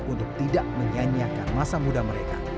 untuk tidak menyanyiakan masa muda mereka